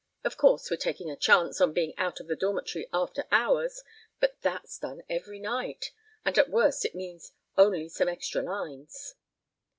Of course, we're taking a chance in being out of the dormitory after hours, but that's done every night, and at worst it means only some extra lines."